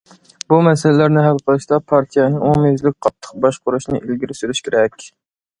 بۇ مەسىلىلەرنى ھەل قىلىشتا پارتىيەنى ئومۇميۈزلۈك قاتتىق باشقۇرۇشنى ئىلگىرى سۈرۈش كېرەك.